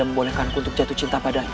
aku mohon jadikan aku sebagai muridmu paman